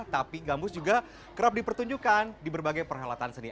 tapi gambus juga kerap dipertunjukan di berbagai perhalatan seni